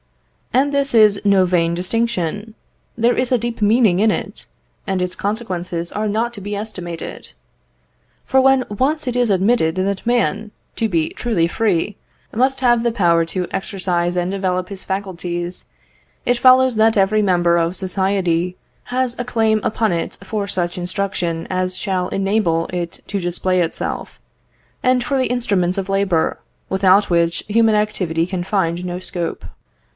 "And this is no vain distinction; there is a deep meaning in it, and its consequences are not to be estimated. For when once it is admitted that man, to be truly free, must have the power to exercise and develop his faculties, it follows that every member of society has a claim upon it for such instruction as shall enable it to display itself, and for the instruments of labour, without which human activity can find no scope.